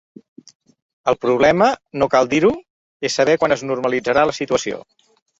El problema, no cal dir-ho, és saber quan es normalitzarà la situació.